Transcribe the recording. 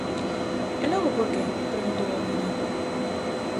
-E logo por que? -preguntou Ovidio-.